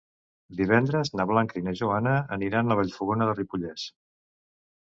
Divendres na Blanca i na Joana aniran a Vallfogona de Ripollès.